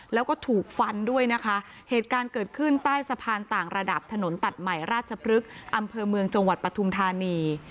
แล้วก็ถูกฟันด้วยนะคะเหตุการณ์เกิดขึ้นใต้สะพานต่างระดับถนนตัดใหม่ราชพฤกษ์อำเภอเมืองจังหวัดปฐุมธานี